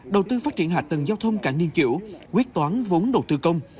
đầu tư phát triển hạ tầng giao thông cảng niên kiểu quyết toán vốn đầu tư công